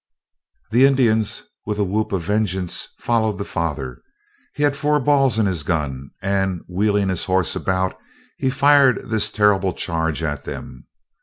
The Indians, with a whoop of vengeance followed the father. He had four balls in his gun, and, wheeling his horse about, he fired this terrible charge at them.